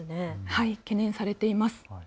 はい、懸念されています。